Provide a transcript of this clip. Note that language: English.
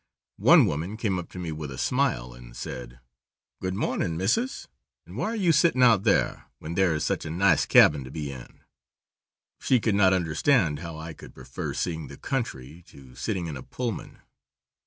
One woman came up to me with a smile, and said: "Good mornin', missis; and why are you sittin' out thar, when thar is such a nice cabin to be in?" She could not understand how I could prefer seeing the country to sitting in a Pullman.